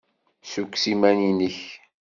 Ssukkes iman-nnek.